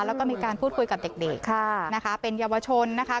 แล้วก็มีการพูดคุยกับเด็กค่ะนะคะเป็นเยาวชนนะคะ